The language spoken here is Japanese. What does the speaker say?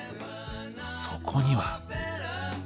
そこには。